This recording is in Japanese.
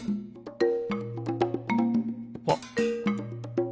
あっ！